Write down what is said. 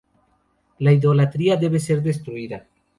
La idolatría debe ser destruida.